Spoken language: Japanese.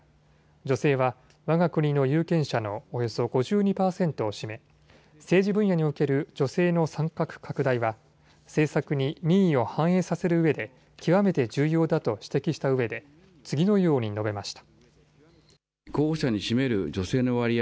女性はわが国の有権者のおよそ５２％を占め政治分野における女性の参画拡大は政策に民意を反映させるうえで極めて重要だと指摘したうえで次のように述べました。